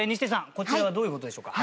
こちらはどういう事でしょうか？